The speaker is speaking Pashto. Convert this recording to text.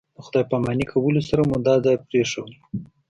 د خدای پاماني کولو سره مو دا ځای پرېښود.